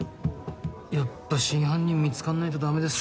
やっぱ真犯人見つかんないとだめです。